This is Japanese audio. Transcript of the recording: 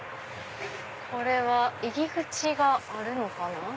これは入り口があるのかな？